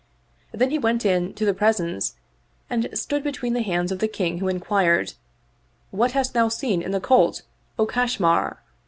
" Then he went in to the presence and stood between the hands of the King who inquired, "What hast thou seen in the colt, O Kash mar?"